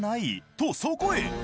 とそこへ。